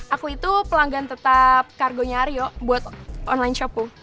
aku itu pelanggan tetap kargonya aryo buat online shop bu